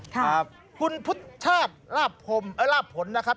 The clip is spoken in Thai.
ครับคุณพุทธชาติลาภนนะครับ